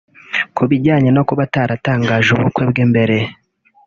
Ku bijyanye no kuba ataratangaje ubukwe bwe mbere